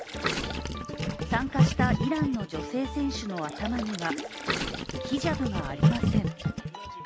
参加したイランの女性選手の頭にはヒジャブがありません。